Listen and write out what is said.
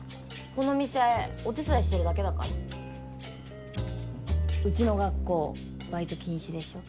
この店お手伝いしてるだけだかうちの学校バイト禁止でしょ。